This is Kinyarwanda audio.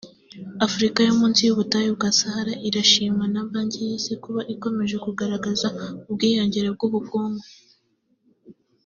Afurika yo munsi y’ubutayu bwa Sahara irashimwa na banki y’isi kuba ikomeje kugaragaza ubwiyongere bw’ubungu